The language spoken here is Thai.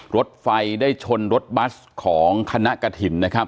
รถไฟได้ชนรถบัสของคณะกฐิม